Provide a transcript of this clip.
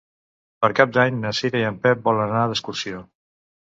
Per Cap d'Any na Cira i en Pep volen anar d'excursió.